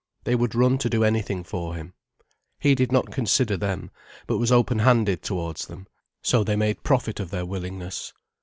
They would run to do anything for him. He did not consider them, but was open handed towards them, so they made profit of their willingness.